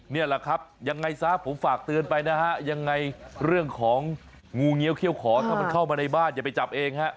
นี่แหละครับยังไงซะผมฝากเตือนไปนะฮะยังไงเรื่องของงูเงี้ยเขี้ยวขอถ้ามันเข้ามาในบ้านอย่าไปจับเองฮะ